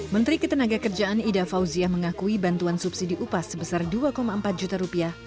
menteri ketenaga kerjaan ida fauziah mengakui bantuan subsidi upah sebesar dua empat juta rupiah